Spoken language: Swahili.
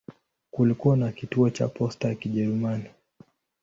Kulikuwa na kituo cha posta ya Kijerumani.